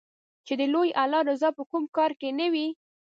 چې د لوی الله رضا په کوم کار نــــــــه وي